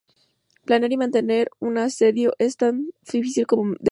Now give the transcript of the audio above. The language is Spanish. Planear y mantener un asedio es tan difícil como defenderlo.